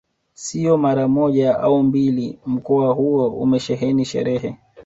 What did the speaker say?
Sio mara moja au mbili mkoa huo umesheheni sherehe